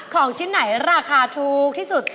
ของชิ้นไหนราคาถูกที่สุด